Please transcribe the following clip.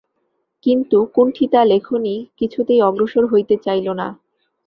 কিন্তু কুণ্ঠিতা লেখনী কিছুতেই অগ্রসর হইতে চাহিল না।